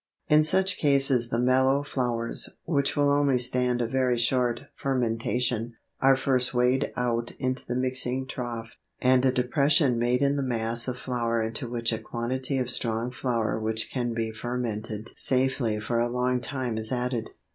In such cases the mellow flours, which will only stand a very short fermentation, are first weighed out into the mixing trough, and a depression made in the mass of flour into which a quantity of strong flour which can be fermented safely for a long time is added.